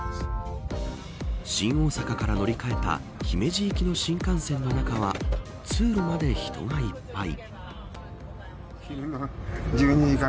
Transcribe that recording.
新大阪から乗り換えた姫路行きの新幹線の中は通路まで人がいっぱい。